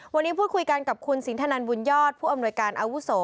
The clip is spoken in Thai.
วันนี้พูดคุยกันกับคุณสินทนันบุญยอดผู้อำนวยการอาวุโส